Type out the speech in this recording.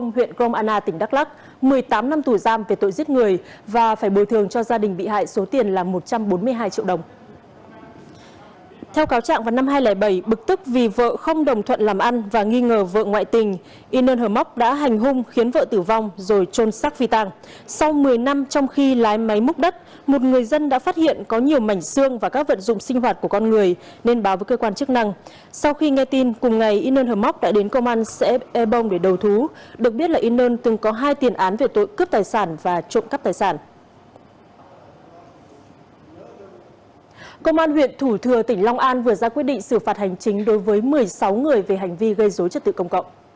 huyện thủ thừa tỉnh long an vừa ra quyết định xử phạt hành chính đối với một mươi sáu người về hành vi gây dối trật tự công cộng